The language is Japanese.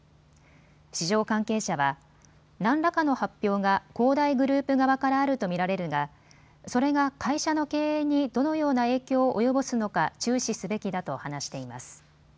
市場関係者は何らかの発表が恒大グループ側からあると見られるがそれが会社の経営にどのような影響を及ぼすのか注視すべきだと話しています。